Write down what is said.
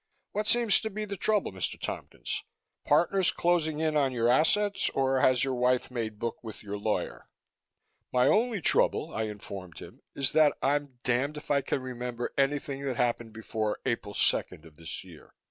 What seems to be the trouble, Mr. Tompkins? Partners closing in on your assets or has your wife made book with your lawyer?" "My only trouble," I informed him, "is that I'm damned if I can remember anything that happened before April second of this year.